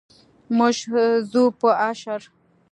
موږ ځو په اشر.